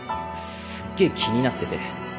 すっげえ気になってて